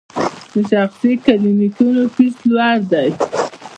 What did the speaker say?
د شخصي کلینیکونو فیس لوړ دی؟